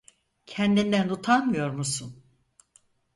Kendinden utanmıyor musun?